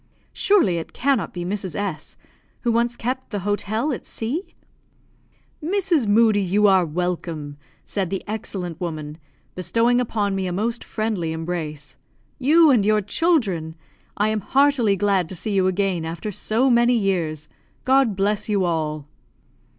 "Surely it cannot be Mrs. S , who once kept the hotel at C ?" "Mrs. Moodie, you are welcome," said the excellent woman, bestowing upon me a most friendly embrace; "you and your children. I am heartily glad to see you again after so many years. God bless you all!"